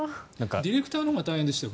ディレクターのほうが大変でしたよ。